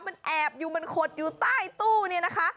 มันแอบอยู่มันขดอยู่ใต้ตู้เนี่ยนะคะ